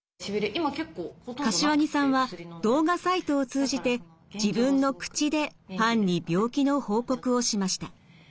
柏木さんは動画サイトを通じて自分の口でファンに病気の報告をしました。